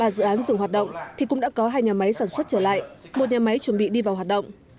ba dự án dừng hoạt động thì cũng đã có hai nhà máy sản xuất trở lại một nhà máy chuẩn bị đi vào hoạt động